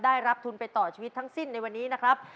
ได้รับทุนไปต่อชีวิตทั้งสิ้นในวันนี้นะครับ